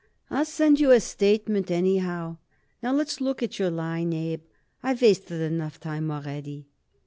I'll send you a statement, anyhow. Now let's look at your line, Abe. I wasted enough time already."